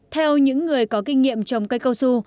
theo những người có kinh nghiệm trồng cây cao su